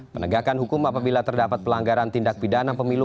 penegakan hukum apabila terdapat pelanggaran tindak pidana pemilu